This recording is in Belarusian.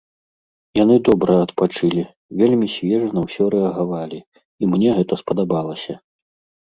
Яны добра адпачылі, вельмі свежа на ўсё рэагавалі, і мне гэта спадабалася.